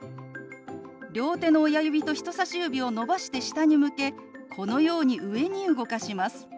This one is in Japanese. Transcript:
両手の親指と人さし指を伸ばして下に向けこのように上に動かします。